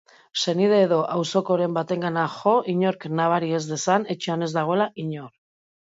Senide edo auzokoren batengana jo inork nabari ez dezan etxean ez dagoela inor.